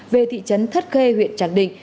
về thị trấn thất khê huyện tràng định